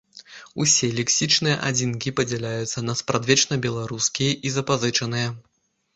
Усе лексічныя адзінкі падзяляюцца на спрадвечна беларускія і запазычаныя.